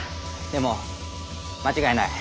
でも間違いない。